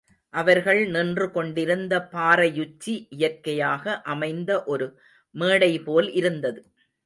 அவர்கள் நின்று கொண்டிருந்த பாறையுச்சி, இயற்கையாக அமைந்த ஒரு மேடைபோல் இருந்தது.